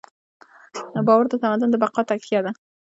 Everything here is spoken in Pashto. باور د تمدن د بقا تکیه ده.